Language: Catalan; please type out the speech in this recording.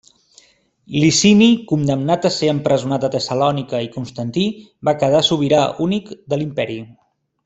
Licini condemnat a ser empresonat a Tessalònica i Constantí va quedar sobirà únic de l'imperi.